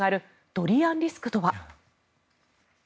ドリアンリスクとは？